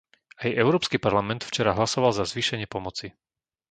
Aj Európsky parlament včera hlasoval za zvýšenie pomoci.